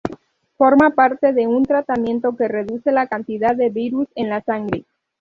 Forma parte de un tratamiento que reduce la cantidad de virus en la sangre.